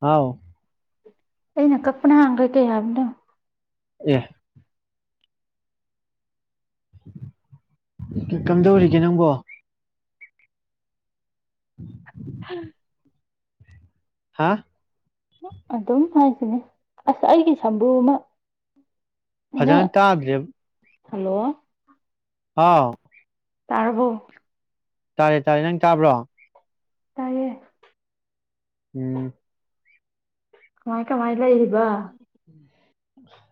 ꯍꯥꯎ ꯑꯩꯩꯅ ꯀꯞꯄꯅ ꯑꯒ ꯀꯩ ꯍꯥꯏꯕꯅꯣ ꯑꯥ ꯀꯥ ꯀꯝꯗꯧꯔꯤꯒꯦ ꯅꯪꯕꯣ [unintelligible] ꯍꯥ ꯑꯗꯨꯝ ꯍꯥꯏꯁꯤꯅꯦ ꯑꯁ ꯑꯩꯒꯤ ꯁꯝꯕꯨꯨ ꯑꯃ ꯅꯪ ꯐꯖꯅ ꯇꯥꯗ꯭ꯔꯦ ꯍꯜꯂꯣ ꯍꯥꯎ ꯇꯥꯔꯕꯣ ꯇꯥꯔꯦ ꯇꯥꯔꯦ ꯅꯪ ꯇꯥꯕ꯭ꯔꯣ ꯇꯥꯏꯌꯦ ꯎꯝ ꯃꯥꯏ ꯀ ꯃꯥꯏ ꯂꯩꯏꯕ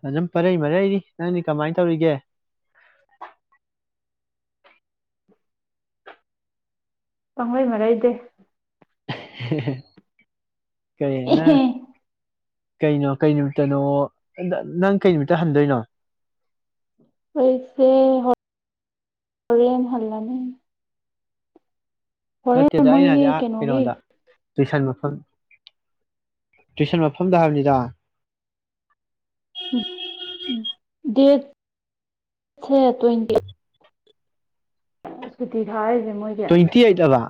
ꯑꯗꯨꯝ ꯄꯔꯩ ꯃꯔꯩꯅꯤ ꯅꯪꯅꯤ ꯀꯃꯥꯏꯅ ꯇꯧꯔꯤꯒꯦ ꯄꯡꯂꯩ ꯃꯔꯩꯗꯦ [unintelligible] ꯀꯩ ꯅ ꯑꯦꯍꯦ ꯀꯩꯅꯣ ꯀꯩ ꯅꯨꯃꯤꯠꯇꯅꯣ ꯅꯪ ꯀꯩ ꯅꯨꯃꯤꯠꯇ ꯍꯟꯗꯣꯏꯅꯣ ꯑꯩꯁꯦ ꯍꯦꯟ ꯍꯜꯂꯅꯤ ꯍꯣꯔꯦꯟ ꯅꯠꯇꯦꯗ ꯑꯩꯅ ꯃꯣꯏꯒꯤ ꯍꯥꯏꯖꯤ ꯀꯩꯅꯣꯒꯤ ꯀꯩꯅꯣꯗ ꯇꯨꯏꯁꯟ ꯃꯐꯝ ꯇꯨꯏꯁꯟ ꯃꯐꯝꯗ ꯍꯥꯏꯕꯅꯤꯗ ꯝ ꯎ ꯗꯦꯠ ꯇ꯭ꯋꯦꯟꯇꯤ ꯁꯀꯤ ꯊꯤ ꯊꯥꯔꯦ ꯇ꯭ꯋꯦꯟꯇꯤ ꯑꯩꯠꯕ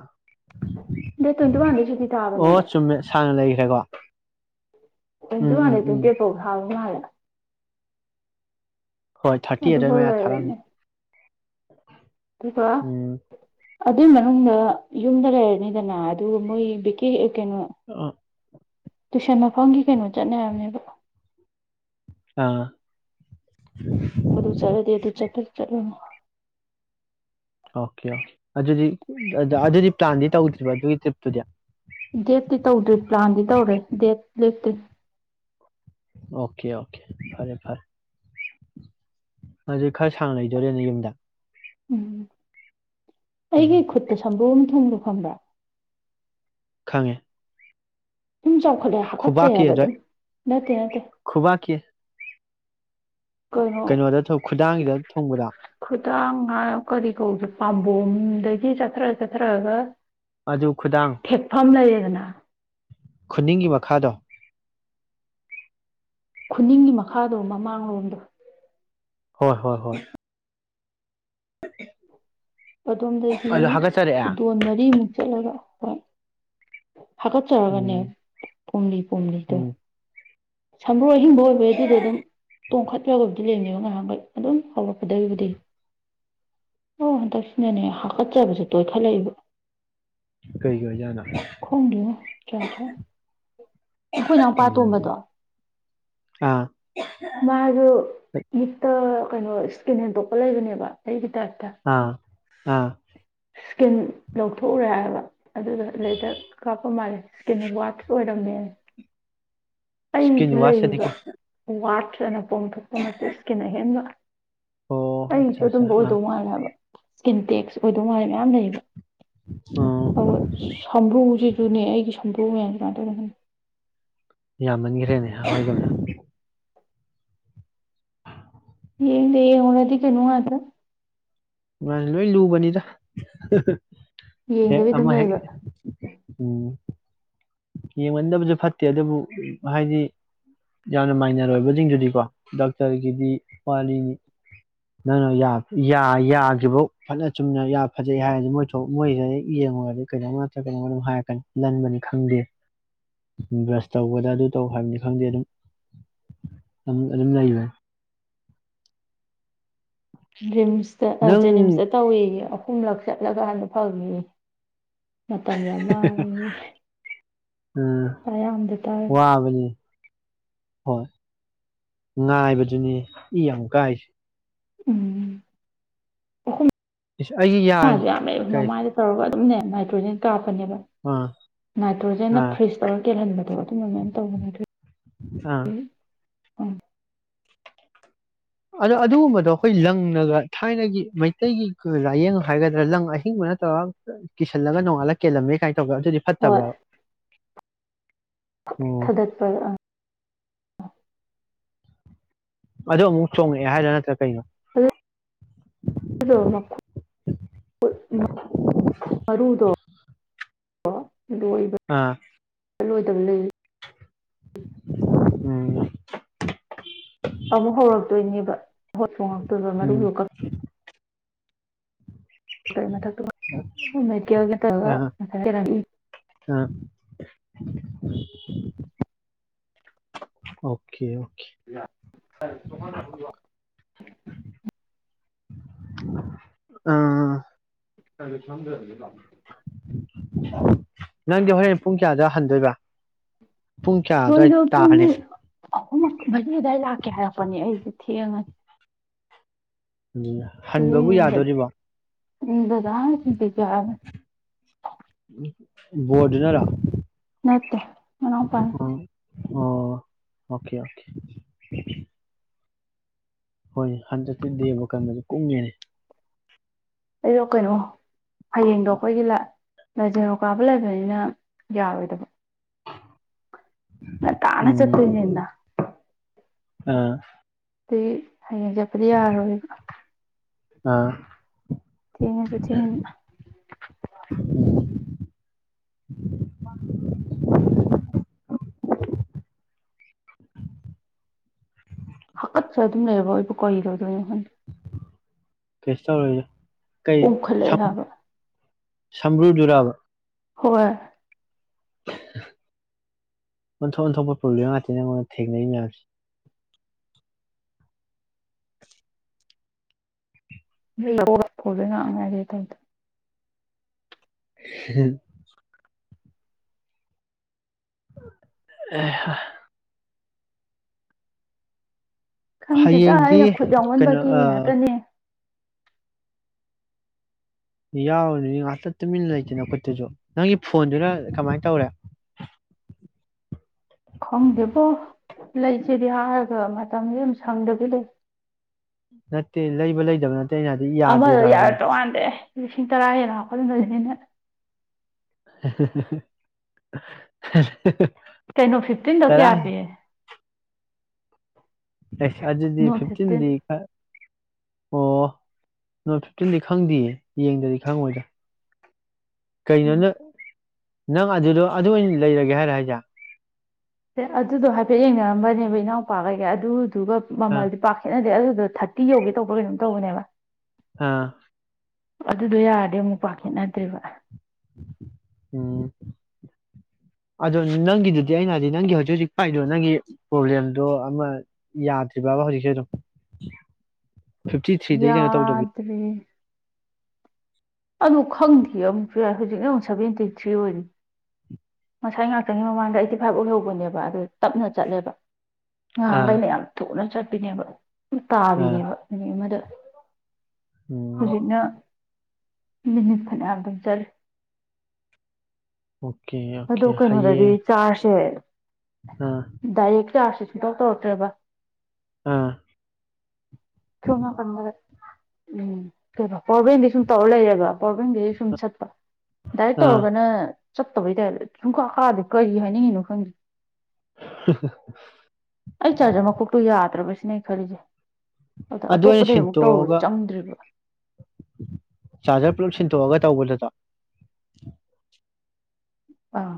ꯗꯦꯠ ꯇ꯭ꯋꯦꯟꯇꯤ ꯋꯥꯟꯗꯩ ꯁꯨꯇꯤ ꯑꯣ ꯊꯥꯕꯅꯦꯕ ꯆꯨꯝꯃꯦ ꯁꯥꯡꯅ ꯂꯩꯒ ꯍꯥꯏꯒꯣ ꯀꯗꯤ ꯃꯥꯅꯦ ꯇꯗꯤꯦꯄꯣ ꯍꯥꯎꯕ ꯃꯥꯂ ꯍꯣꯏ ꯊꯥꯔꯇꯤ ꯑꯗꯨꯐꯥꯎ ꯑꯩꯠꯔꯃꯦ ꯊꯥꯔꯥꯅꯤ ꯑꯀ ꯑꯗꯨꯏ ꯃꯅꯨꯡꯗ ꯌꯨꯝꯗ ꯂꯩꯔꯅꯤꯗꯅ ꯑꯗꯨꯒ ꯃꯣꯏ ꯕꯤꯦ ꯀꯩꯅꯨ ꯇꯨꯏꯁꯟ ꯃꯐꯝꯒꯤ ꯀꯩꯅꯣ ꯆꯠꯅꯔꯕꯅꯦꯕ ꯑꯥ ꯑꯗꯨꯨ ꯆꯂꯗꯤ ꯑꯗꯨ ꯆꯄꯔ ꯆꯂꯅꯦ ꯑꯣꯀꯦ ꯑꯣꯦ ꯑꯗꯨꯗꯤ ꯑꯗꯨꯗꯤ ꯄ꯭ꯂꯥꯟꯗꯤ ꯇꯧꯗ꯭ꯔꯤꯕ ꯑꯗꯨꯒꯤ ꯇ꯭ꯔꯤꯞꯇꯨꯗꯤ ꯗꯦꯠꯇꯠꯇꯤ ꯇꯧꯗ꯭ꯔꯤ ꯄ꯭ꯂꯥꯟꯗꯤ ꯇꯧꯔꯦ ꯗꯦꯠ ꯂꯠꯇ ꯑꯣꯀꯦ ꯑꯣꯀꯦ ꯐꯔꯦ ꯐꯔꯦ ꯑꯗꯨ ꯈꯔ ꯁꯥꯡ ꯂꯩꯗꯣꯔꯦꯅꯦ ꯌꯨꯝꯗ ꯎꯝ ꯎꯝ ꯑꯩꯒꯤ ꯈꯨꯠꯇ ꯁꯝꯕꯨ ꯑ ꯑꯃ ꯊꯨꯡꯂꯨ ꯊꯝꯕ ꯈꯪꯉꯦ ꯁꯨꯝ ꯆꯥꯎꯈꯠꯂꯦ ꯍꯥꯞꯀꯠꯆꯩ ꯈꯨꯕꯥꯛꯀꯤ ꯍꯥꯏꯕ ꯑꯗꯨꯋꯥꯏ ꯑꯗꯨꯝ ꯅꯠꯇꯦ ꯅꯠꯇꯦ ꯈꯨꯕꯥꯛꯀꯤ ꯀꯩꯅꯣ ꯀꯩꯅꯣꯗ ꯈꯨꯗꯥꯡꯁꯤꯗ ꯊꯣꯡꯕꯗ ꯇꯥꯡ ꯀꯔꯤ ꯀꯧꯗꯦ ꯄꯥꯝꯕꯣꯝꯗꯒꯤ ꯆꯠꯊꯔ ꯆꯠꯊꯔꯑꯒ ꯑꯗꯨ ꯈꯨꯗꯥꯡ ꯅꯥ ꯈꯨꯅꯤꯡꯒꯤ ꯃꯈꯥꯗꯣ ꯈꯨꯅꯤꯡꯒꯤ ꯃꯈꯥꯗꯣ ꯃꯃꯥꯡꯂꯣꯝꯗꯣ ꯍꯣꯏ ꯍꯣꯏ ꯍꯣꯏ ꯑꯗꯣꯝꯗꯒꯤ ꯑꯗꯨ ꯍꯥꯒꯠꯆꯔꯛꯑꯦ ꯈꯨꯗꯣꯟ ꯃꯔꯤꯃꯨꯛ ꯆꯠꯂꯒ ꯑꯣ ꯍꯥꯀꯠꯆꯔꯒꯅꯦ ꯎꯝ ꯄꯣꯝꯂꯤ ꯄꯣꯝꯂꯤꯗꯣ ꯎꯝ ꯁ ꯍꯣꯏ ꯑꯍꯤꯡꯕ ꯑꯣꯏꯕꯒꯤ ꯑꯗꯨꯗꯣ ꯑꯗꯨꯝ ꯇꯣꯡꯈꯠꯄ ꯌꯥ ꯑꯣꯏꯕ ꯑꯗꯨ ꯂꯦꯟꯅꯦꯕ ꯉꯥꯏꯍꯥꯛꯈꯩ ꯑꯗꯨꯝ ꯍꯧꯔꯛꯀꯗꯧꯔꯤꯕꯗꯤ ꯑꯣ ꯍꯟꯗꯛꯁꯤꯅꯅꯦ ꯍꯥꯀꯠꯆꯕꯁꯨ ꯇꯣꯏꯈꯠꯂꯛꯏꯕ ꯀꯩ ꯀꯥꯏ ꯌꯥꯅ ꯈꯣꯡꯒꯤꯣ ꯆ ꯆ ꯑꯩꯈꯣꯏ ꯏꯅꯥꯎꯄꯥ ꯎꯝ ꯇꯣꯝꯕꯗꯣ ꯑꯥ ꯃꯥꯁꯨ ꯍꯠꯇ ꯀꯩꯅꯣ ꯏꯁꯀꯤꯟ ꯍꯦꯟꯗꯣꯛꯄ ꯂꯩꯕꯅꯦꯕ ꯑꯩꯒꯤꯗꯤ ꯑꯥ ꯑꯥ ꯁ꯭ꯀꯤꯟ ꯂꯧꯊꯣꯛꯎꯔꯦ ꯍꯥꯏꯕ ꯑꯗꯨꯒꯗ ꯂꯗ ꯀꯥꯞꯄ ꯃꯥꯜꯂꯦ ꯏꯁꯀꯤꯟ ꯋꯥꯠ ꯑꯣꯏꯔꯝꯅꯦꯅ ꯏꯁꯀꯤꯟ ꯑꯩꯁꯨ ꯂꯩꯕ ꯋꯥꯁꯇꯗꯤꯀꯣ ꯋꯥꯠ ꯍ ꯄꯣꯝꯊꯣꯛꯄ ꯅꯦ ꯏꯁꯀꯤꯟ ꯑꯍꯦꯟꯕ ꯑꯣ ꯑꯠꯆꯥ ꯑꯩꯁꯨ ꯑꯠꯆꯥ ꯑꯗꯨꯝꯕ ꯑꯥ ꯑꯣꯏꯗꯧ ꯃꯥꯜꯂꯦꯕ ꯏꯁꯀꯤꯟ ꯇꯦꯛꯁ ꯑꯣꯏꯗꯧ ꯃꯥꯜꯂꯦ ꯃꯌꯥꯝ ꯂꯩꯕ ꯍꯣꯏ ꯎꯝ ꯁꯝꯕ꯭ꯔꯨꯁꯤꯗꯨꯅꯦ ꯑꯩꯒꯤ ꯁꯝꯕ꯭ꯔꯨ ꯃꯌꯥꯝ ꯁꯨꯃꯥꯏꯅ ꯇꯧꯔꯒꯅꯤ ꯌꯥꯝꯅꯤꯡꯈ꯭ꯔꯦꯅꯦ ꯍꯥꯏꯗꯧꯅꯦ ꯌꯦ ꯂꯩ ꯍꯅꯗꯤ ꯀꯩꯅꯣ ꯍꯥꯗ ꯃꯥꯁ ꯂꯣꯏ ꯂꯨꯕꯅꯤꯗ ꯍꯦ ꯌꯦꯡꯗꯕꯤ ꯑꯗꯨꯝ ꯑꯃ ꯍ ꯂꯩꯕ ꯎꯝ ꯌꯦꯡꯃꯟꯗꯕꯁꯨ ꯐꯠꯇꯦ ꯑꯗꯨꯕꯨ ꯍꯥꯏꯗꯤ ꯌꯥꯝꯅ ꯃꯥꯏꯅꯔ ꯑꯣꯏꯕꯁꯤꯡꯗꯨꯗꯤꯀꯣ ꯗꯣꯛꯇꯔꯒꯤꯗꯤ ꯋꯥꯔꯤꯅꯤ ꯅꯪꯅ ꯌꯥꯐꯧ ꯐꯠꯅ ꯆꯨꯝꯅ ꯌꯥ ꯐꯖꯩ ꯍꯥꯏꯔꯗꯤ ꯃꯣꯏ ꯃꯣꯏꯁꯤꯗ ꯌꯦꯡꯉꯨꯔꯗꯤ ꯀꯩꯗ ꯅꯠꯇ꯭ꯔꯒ ꯀꯩꯅꯣ ꯑꯗꯨꯝ ꯍꯥꯏꯔꯛꯀꯅꯤ ꯂꯟꯕꯅꯤ ꯈꯪꯗꯦ ꯕ꯭ꯔꯁ ꯇꯧꯕꯗ ꯑꯗꯨ ꯇꯧ ꯍꯥꯏꯕꯅꯤ ꯈꯪꯗꯦ ꯑꯗꯨꯝ ꯑꯗꯨꯝ ꯂꯩꯕꯅꯤ ꯔꯤꯝꯁꯇ ꯅꯪ ꯖꯦꯅꯤꯝꯁꯇ ꯇꯧꯏꯤ ꯑꯍꯨꯝꯂꯛ ꯆꯠꯂꯒ ꯍꯥꯟꯅ ꯐꯪꯉ ꯃꯇꯝ ꯌꯥꯝ ꯃꯥꯡꯉꯤ ꯄꯩꯁꯥ ꯌꯥꯝꯗ ꯇꯥ ꯋꯥꯕꯅꯤ ꯍꯣꯏ ꯉꯥꯏꯕꯗꯨꯅꯦ ꯏ ꯌꯥꯝ ꯀꯥꯏꯁꯦ ꯎꯝ ꯑꯩꯒꯤ ꯌꯥ ꯃꯃꯗꯤ ꯌꯥꯝ ꯂꯩꯕ ꯀꯩ ꯃꯃꯥꯏꯗ ꯇꯧꯔꯒ ꯅꯦ ꯃꯥꯏꯇ꯭ꯔꯣꯖꯦꯟ ꯀꯥꯞ ꯄꯅꯦꯕ ꯑꯥ ꯅꯥꯏꯇ꯭ꯔꯣꯖꯦꯟꯅ ꯑꯥ ꯐ꯭ꯔꯤꯖ ꯇꯧꯔ ꯀꯦꯜꯍꯟꯕꯗꯣ ꯑꯗꯨꯝꯕ ꯃꯌꯥꯝ ꯇꯧꯕꯅꯦ ꯑꯗꯨ ꯑꯥ ꯎ ꯑꯗꯣ ꯑꯗꯨꯒꯨꯝꯕꯗꯣ ꯑꯩꯈꯣꯏ ꯂꯪꯅꯒ ꯊꯥꯏꯅꯒꯤ ꯃꯩꯇꯩꯒꯤ ꯂꯥꯏꯌꯦꯡ ꯍꯥꯏꯒꯗ꯭ꯔꯥ ꯂꯪ ꯑꯍꯤꯡꯕ ꯅꯠꯇꯔꯒ ꯀꯤꯁꯜꯂꯒ ꯅꯣꯡꯉꯥꯜꯂꯒ ꯀꯦꯜꯂꯝꯃꯦ ꯀꯥꯏꯅ ꯭ꯔ ꯑꯗꯨꯗꯤ ꯐꯠꯇꯕ꯭ꯔꯥ ꯎꯝ ꯊꯗꯠ ꯄ ꯑꯗꯨ ꯑꯃꯨꯛ ꯆꯣꯡꯉꯛꯑꯦ ꯍꯥꯏꯗꯣ ꯅꯠꯇ꯭ꯔ ꯣ ꯃꯔꯨꯗꯣ ꯍ ꯍ ꯑꯥ ꯠꯂꯣꯏꯗꯕ ꯂꯩ ꯎꯝ ꯑꯃꯨꯛ ꯍꯧꯔꯛꯇꯣꯏꯅꯦꯕ ꯍꯣꯏ ꯐ ꯎꯝ ꯌ ꯑꯥ ꯃꯊꯔ ꯍ ꯑꯣꯀꯦ ꯌꯥꯃꯅ ꯑꯥ ꯊꯝꯖꯔꯒꯦ ꯂꯥꯛ ꯅꯪꯗꯤ ꯍꯣꯔꯦꯟ ꯄꯨꯡ ꯀꯌꯥꯗ ꯍꯟꯗꯣꯏꯕ ꯄꯨꯡ ꯀꯌꯥ ꯑꯗꯨꯋꯥꯏ ꯅꯣꯏꯗꯣ ꯄꯨꯡ ꯇꯥꯔꯅꯤ ꯑꯍꯨꯝ ꯃꯔꯤ ꯑꯗꯨꯋꯥꯏ ꯂꯥꯛꯀꯦ ꯍꯥꯏꯔꯛꯄꯅꯦ ꯑꯩꯁꯦ ꯊꯦꯡꯉꯅꯤ ꯎꯝ ꯌꯦ ꯍꯟꯕꯕꯨ ꯏ ꯌꯥꯗꯣꯔꯤꯕꯣ ꯏꯗ ꯆꯗꯤ ꯆꯕ ꯕꯗꯅꯔ ꯅꯠꯇꯦ ꯃꯅ ꯐꯅꯤ ꯑꯣ ꯑꯣꯀꯦ ꯑꯣꯀꯦ ꯍꯣꯏ ꯍꯟꯗꯛꯇꯤ ꯗꯦꯕ ꯀꯟꯕꯁꯨ ꯀꯨꯝꯉꯦꯅꯦ ꯑꯩꯔꯣ ꯀꯩꯅꯣ ꯍꯌꯦꯡꯗꯣ ꯑꯩꯈꯣꯏꯒꯤ ꯂ ꯂꯥꯏꯖꯔꯣ ꯀꯥꯕ ꯂꯩꯕꯅꯤꯅ ꯌꯥꯔꯣꯏꯗꯕ ꯅ ꯇꯥꯅ ꯎꯝ ꯆꯈꯗꯅ ꯑꯥ ꯑꯩ ꯍꯌꯦꯡ ꯆꯠꯄꯗꯤ ꯌꯥꯔꯣꯏꯕ ꯑꯥ ꯊꯁꯦ ꯆ [inaudible] ꯍꯀꯠꯁ ꯑꯗꯨꯝ ꯂꯩꯔꯕ ꯑꯩꯕꯨ ꯀ ꯂꯧꯧꯗꯣꯏꯅꯦ ꯈꯟꯗꯦ ꯀꯦꯁ ꯇ ꯑꯣꯏ ꯑꯣꯏꯖꯦ ꯀꯩ ꯄꯣꯝꯈꯠꯂꯛꯑꯦ ꯍꯥꯏꯕ ꯁ꯭ꯔ ꯌꯖꯨꯔꯕ ꯍꯣꯏ ꯑꯣꯟꯊꯣꯛ ꯑꯣꯟꯊꯣꯛꯄ ꯄ꯭ꯔꯣꯕ꯭ꯂꯦꯝ ꯉꯥꯛꯇ ꯅꯪꯉꯣꯟꯗ ꯊꯦꯡꯅꯩ ꯃꯌꯥꯝꯁꯦ ꯣꯉ ꯇ ꯍꯝ ꯑꯦꯍ ꯈꯪꯗꯦꯗ ꯍꯌꯦꯡꯗꯤ ꯑꯩꯅ ꯈꯨꯠ ꯀꯩꯅꯣ ꯌꯥꯎꯃꯟꯕꯒꯤ ꯉꯥꯛꯇꯅꯦ ꯌꯥꯎꯔꯨꯅꯤ ꯉꯥꯛꯇ ꯇꯨꯃꯤꯟꯅ ꯂꯩꯇꯦ ꯅꯈꯨꯠꯇꯨꯁꯨ ꯅꯪꯒꯤ ꯐꯣꯟꯗꯨꯅ ꯀꯃꯥꯏꯅ ꯇꯧꯔꯦ ꯈꯪꯗꯦꯕꯣ ꯂꯩꯁꯤꯗꯤ ꯍꯥꯏꯔꯒ ꯃꯇꯝꯁꯦ ꯌꯥꯝ ꯁꯪꯗꯕꯤ ꯂꯩ ꯅꯠꯇꯦ ꯂꯩꯕ ꯂꯩꯗꯕ ꯅꯠꯇꯦ ꯑꯩꯅ ꯍꯥꯏꯗꯤ ꯑꯃꯗꯣ ꯌꯥꯗ꯭ꯔꯤꯗꯣ ꯌꯥꯔꯛ ꯍꯥꯏꯕꯅꯤ ꯇꯧ ꯃꯥꯟꯗꯦ ꯂꯤꯁꯤꯡ ꯇꯔꯥ ꯍꯦꯟꯅ ꯍꯥꯞꯐꯟꯕꯅꯤꯅ [unintelligible] ꯀꯩꯅꯣ ꯐꯤꯐꯇꯤꯟꯗꯣ ꯇꯔꯥ ꯀꯌꯥ ꯄꯤꯌꯦ ꯑꯩꯁ ꯑꯗꯨꯗꯤ ꯅꯣꯠ ꯐꯤꯐꯇꯤꯟ ꯐꯤꯞꯇꯤꯟꯗꯤ ꯈ ꯑꯣ ꯅꯣꯠ ꯐꯤꯞꯇꯤꯟꯗꯤ ꯈꯪꯗꯤꯌꯦ ꯌꯦꯡꯗ꯭ꯔꯗꯤ ꯈꯪꯉꯣꯏꯗꯥ ꯀꯩꯅꯣ ꯅꯪ ꯅꯪ ꯑꯗꯨꯗꯣ ꯑꯗꯨ ꯑꯣꯏꯅ ꯂꯩꯔꯒꯦ ꯍꯥꯏꯔ ꯍꯥꯏꯁꯦ ꯑꯗꯨꯗꯣ ꯍꯥꯏꯐꯦꯠ ꯌꯦꯡꯅꯔꯝꯕꯅꯦꯕ ꯏꯅꯥꯎꯄꯥꯒ ꯑꯩꯒ ꯑꯗꯨ ꯑꯗꯨꯒ ꯑꯥ ꯃꯃꯜꯗꯤ ꯄꯥꯛ ꯈꯦꯠꯅꯗꯦ ꯑꯗꯨ ꯑꯗꯣ ꯊꯥꯔꯇꯤ ꯌꯧꯒꯦ ꯇꯧꯕ ꯀꯩꯅꯣꯝ ꯇꯧꯕꯅꯦꯕ ꯑꯥ ꯑꯗꯨꯗꯣ ꯌꯥꯔꯗꯤ ꯑꯃꯨꯛ ꯄꯥꯛ ꯈꯦꯠꯅꯗ꯭ꯔꯤꯕ ꯎꯝ ꯑꯗꯣ ꯅꯪꯒꯤꯗꯨꯗꯤ ꯑꯩꯅ ꯍꯥꯏꯗꯤ ꯅꯪꯒꯤ ꯍꯧꯖꯤꯛ ꯍꯧꯖꯤꯛ ꯄꯥꯏꯗꯣ ꯅꯪꯒꯤ ꯄ꯭ꯔꯣꯕ꯭ꯂꯦꯝꯗꯣ ꯑꯃ ꯌꯥꯗ꯭ꯔꯤꯕꯕ ꯍꯧꯖꯤꯛꯁꯦ ꯑꯗꯨꯝ ꯐꯤꯐꯇꯤ ꯊ꯭ꯔꯤꯗꯩ ꯀꯩꯅꯣ ꯇꯧꯗꯕꯤ ꯌꯥꯗ꯭ꯔꯦ ꯑꯗꯨ ꯈꯪꯗꯤꯌꯦ ꯑꯃꯨꯛꯁꯨ ꯌꯥꯏ ꯍꯧꯖꯤꯛꯅ ꯑꯃꯨꯛ ꯁꯚꯦꯟꯇꯤ ꯊ꯭ꯔꯤ ꯑꯣꯏꯔꯤ ꯉꯁꯥꯏ ꯉꯥꯛꯇꯪꯒꯤ ꯃꯃꯥꯡꯗ ꯑꯩꯠꯇꯤ ꯐꯥꯏꯚ ꯑꯣꯏꯍꯧꯕꯅꯦꯕ ꯑꯗꯨ ꯇꯞꯅ ꯆꯠꯂꯦꯕ ꯑꯥ ꯉꯍꯥꯡꯒꯩꯅ ꯌꯥꯝ ꯊꯨꯅ ꯆꯠ ꯄꯤꯅꯦꯕ ꯑꯥ ꯇꯥꯕꯤꯅꯦꯕ ꯃꯤꯅꯤꯠ ꯑꯃꯗ ꯎꯝ ꯍꯧꯖꯤꯛꯅ ꯃꯤꯅꯤꯠ ꯐꯅꯌꯥꯝꯗꯨꯝ ꯆꯠꯂꯦ ꯑꯣꯀꯦ ꯑꯗꯣ ꯑꯣꯀꯦ ꯀꯩꯅꯣꯗꯗꯤ ꯍꯌꯦꯡ ꯆꯥꯔꯖꯁꯦ ꯑꯥ ꯗꯥꯏꯔꯦꯛ ꯆꯥꯔꯖꯁꯦ ꯁꯨꯡꯇꯧ ꯇꯧꯔꯛꯇ꯭ꯔꯦꯕ ꯑꯥ [unintelligible] ꯄꯋꯥꯔ ꯕꯦꯡꯛ ꯇꯩꯁꯨꯝ ꯇꯧꯔ ꯂꯩꯔꯦꯕ ꯄꯋꯥꯔ ꯕꯦꯡꯗꯩ ꯁꯨꯝ ꯆꯠꯄ ꯗꯥꯏꯔꯦꯛ ꯑꯥ ꯇꯧꯔꯒꯅ ꯇꯧꯕꯩ ꯇꯥꯏꯞꯇ ꯁꯨꯡꯀꯥ ꯀꯥꯗꯦ ꯀꯔꯤ ꯍꯥꯏꯅꯤꯡꯉꯤꯅꯣ ꯈꯪꯗꯦ ꯑꯩ ꯆꯥꯖꯔ ꯃꯀꯣꯛꯇꯨ ꯌꯥꯗ꯭ꯔꯕ ꯖꯤꯅꯦ ꯑꯩ ꯅ ꯈꯜꯂꯤꯁꯦ ꯑꯗ ꯑꯗꯨ ꯑꯩꯅ ꯑꯇꯣꯞꯄꯗꯩ ꯑꯃꯨꯛ ꯇꯧꯔ ꯁꯤꯟꯇꯣꯛꯑꯒ ꯆꯪꯗ꯭ꯔꯤꯕ ꯆꯥꯔꯖꯔ ꯄꯨꯂꯞ ꯁꯤꯟꯇꯣꯛꯑꯒ ꯇꯧꯕꯗꯨꯗ ꯑꯥ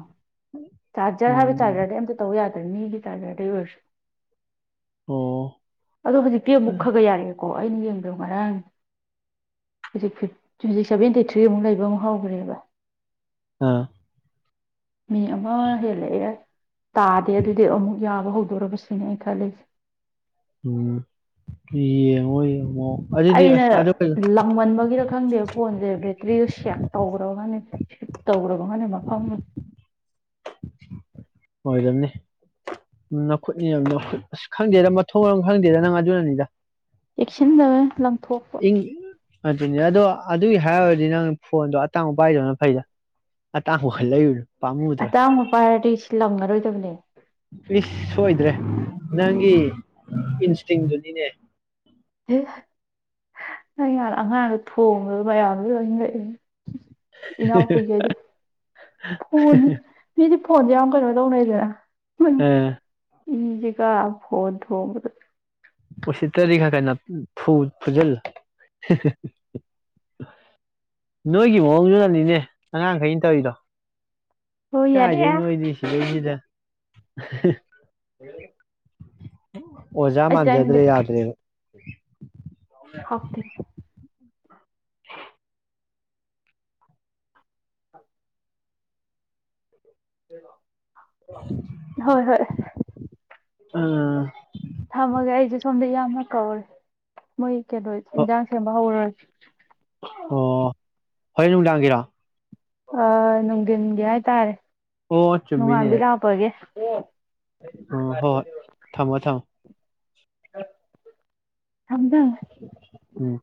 ꯆꯥꯔꯖꯔ ꯍꯥꯏ ꯎꯝ ꯆꯥꯖꯔ ꯑꯝꯇ ꯇꯧ ꯌꯥꯗ ꯃꯤꯒꯤ ꯆꯥꯔꯖꯔꯗꯩ ꯑꯣꯏꯔꯁꯨ ꯑꯣ ꯑꯗꯣ ꯍꯧꯖꯤꯛꯇꯤ ꯑꯃꯨꯛ ꯈꯒ ꯌꯥꯔꯦ ꯀꯣ ꯑꯩꯅ ꯌꯦꯡꯗꯣ ꯉꯔꯥꯡ ꯍꯧꯖꯤꯛꯤ ꯍꯧꯖꯤꯛ ꯁꯚꯦꯟꯇꯤ ꯊ꯭ꯔꯤꯃꯨꯛ ꯂꯩꯕ ꯑꯃꯨꯛ ꯍꯧꯈ꯭ꯔꯦꯕ ꯑꯥ ꯃꯤ ꯑꯃ ꯍꯦꯜꯂꯛꯑꯦ ꯇꯥꯗꯦ ꯑꯗꯨꯗꯤ ꯑꯃꯨꯛ ꯌꯥꯕ ꯍꯧꯗꯣꯔꯔꯕꯁꯤꯅꯦ ꯑꯩ ꯈꯜꯂꯤꯁꯦ ꯎꯝ ꯏ ꯑꯣꯏꯣꯏ ꯑꯩꯅ ꯂꯃꯟꯕꯒꯤꯔ ꯈꯪꯗꯦꯕ ꯐꯣꯟꯁꯦ ꯕꯦ ꯔꯤ ꯁ ꯇꯧꯈ꯭ꯔꯕꯒꯅꯤ ꯇꯧꯈ꯭ꯔꯕꯒꯅꯤ ꯃꯐꯝꯗ ꯑꯣꯏꯣꯏꯗꯕꯅꯤ ꯅꯈꯨꯠꯅꯤ ꯑꯁ ꯈꯪꯗꯦꯗ ꯃꯊꯣꯡ ꯃꯔꯝ ꯈꯪꯗꯦꯗ ꯅꯪ ꯑꯗꯨꯅꯅꯤꯗ ꯆꯦꯛꯁꯤꯟꯗꯕ ꯂꯪꯊꯣꯛꯄ ꯑꯗꯨꯅꯤ ꯑꯗꯣ ꯑꯗꯨꯒꯤ ꯍꯥꯏꯨꯔꯗꯤ ꯅꯪ ꯐꯣꯟꯗꯣ ꯑꯇꯥꯡꯕ ꯄꯥꯏꯗꯧꯅ ꯐꯩꯗ ꯑꯇꯥꯡꯕꯈꯜꯂꯛꯏꯔꯅꯣ ꯑꯇꯥꯡꯕꯄꯥꯥꯏꯔꯗꯤ ꯁꯤꯂꯝꯉꯔꯣꯏ ꯇꯕꯅꯦ ꯏꯁ ꯁꯣꯏꯗ꯭ꯔꯦ ꯅꯪꯒꯤ ꯏꯟꯁꯇꯤꯡꯗꯨꯅꯤꯅꯦ ꯅꯪꯥꯟ ꯑꯉꯥꯡꯗ ꯊꯣꯡꯕꯗ ꯃꯌꯥꯝꯗ ꯂꯣꯏ ꯂꯛꯏꯅꯦ ꯏꯅꯥꯎ ꯀꯩꯒꯗ ꯐꯗꯤ ꯐꯣꯟꯁꯦ ꯌꯥꯝ ꯀꯩꯅꯣ ꯇꯧꯅꯩꯗꯅ ꯎꯝ ꯏꯖꯤꯒ ꯍꯣꯗ ꯍꯕꯗ ꯎꯁꯤꯠꯇꯔꯤ ꯈꯛ ꯀꯅ ꯐꯨꯖꯤꯜꯂ ꯅꯣꯏꯒꯤ ꯃꯑꯣꯡꯗꯨꯅꯅꯤꯅꯦ ꯑꯉꯥꯡꯈꯩꯅ ꯇꯧꯔꯤꯗꯣ ꯍꯣꯏ ꯌꯥꯔꯛꯑꯦ ꯀꯌꯥꯁꯦꯩꯅꯣ ꯑꯣꯏꯗꯤ ꯁꯤꯗꯩꯁꯤꯗ [inaudible] ꯍ ꯍ ꯑꯣꯖꯥ ꯃꯥꯟꯖꯗ꯭ꯔꯦ ꯌꯥꯗ꯭ꯔꯦꯗ ꯍꯥꯐꯇ ꯎ ꯍꯣꯏ ꯍꯣꯏ ꯎꯝ ꯊꯃꯒ ꯑꯩꯁꯨ ꯁꯣꯝꯗ ꯌꯥ ꯀꯔ ꯃꯣꯏ ꯀꯩꯗꯣꯏ ꯑꯣ ꯏꯟꯖꯥꯡ ꯁꯦꯝꯕ ꯍꯧꯔꯣꯏ [inaudible] ꯑꯣ ꯍꯣꯔꯦꯟ ꯅꯨꯃꯤꯗꯥꯡꯒꯤꯔꯣ ꯑ ꯅꯪꯟꯦ ꯍꯥꯏ ꯇꯔꯦ ꯑꯣ ꯆꯨꯝꯃꯤꯅꯦ ꯅꯣꯡꯉꯥꯟꯗꯤ ꯂꯥꯛꯄꯒꯦ ꯎꯝ ꯍꯣꯏ ꯍꯣꯏ ꯊꯝꯃꯣ ꯊꯝꯃꯣ ꯊꯝꯗ ꯎꯝ